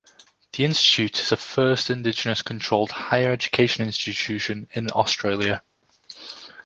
The Institute is the first Indigenous-controlled higher education institution in Australia.